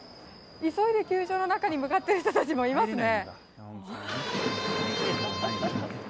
急いで球場の中に向かっている人たちもいますね。